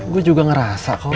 gue juga ngerasa kok